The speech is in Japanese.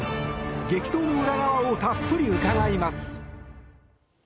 激闘の裏側をたっぷり伺います。